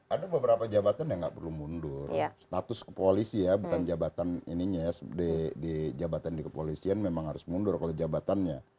ada beberapa jabatan yang nggak perlu mundur status kepolisi ya bukan jabatan ininya ya di jabatan di kepolisian memang harus mundur kalau jabatannya